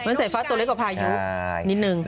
มันสายฟ้าตัวเล็กกว่าพายุนิดนึง